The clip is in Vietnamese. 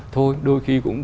thôi đôi khi cũng